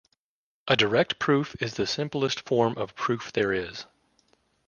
A direct proof is the simplest form of proof there is.